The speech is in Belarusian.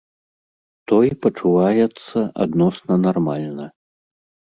Той пачуваецца адносна нармальна.